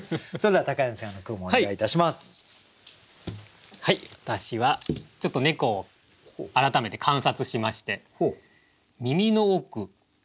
はい私はちょっと猫を改めて観察しまして。